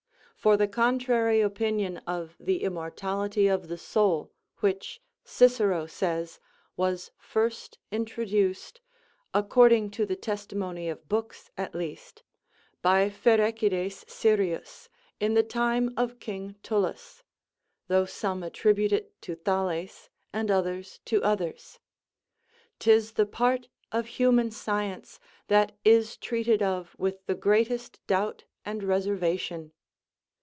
For the contrary opinion of the immortality of the soul, which, Cicero says, was first introduced, according to the testimony of books at least, by Pherecydes Syrius, in the time of King Tullus (though some attribute it to Thales, and others to others), 'tis the part of human science that is treated of with the greatest doubt and reservation.